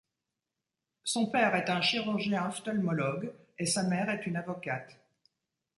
Son père est un chirurgien ophtalmoloque et sa mère est une avocate.